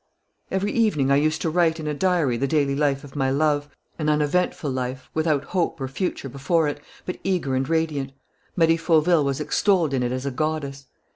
"Every evening I used to write in a diary the daily life of my love, an uneventful life, without hope or future before it, but eager and radiant. Marie Fauville was extolled in it as a goddess.